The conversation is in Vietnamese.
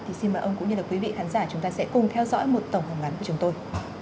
thì xin mời ông cũng như là quý vị khán giả chúng ta sẽ cùng theo dõi một tổng hợp ngắn của chúng tôi